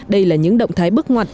đây là những động thái bước ngoặt